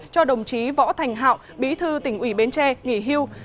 cho đồng chí võ thành hạo bí thư tỉnh ủy bến tre nghỉ hưu